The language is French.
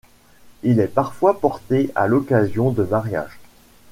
Il est parfois porté à l'occasion de mariages.